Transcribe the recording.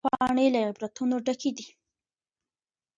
د تاريخ پاڼي له عبرتونو ډکي دي.